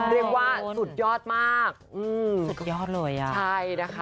เรียกว่าสุดยอดมากสุดยอดเลยอ่ะใช่นะคะ